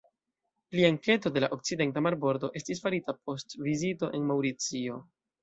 Plia enketo de la okcidenta marbordo estis farita post vizito en Maŭricio.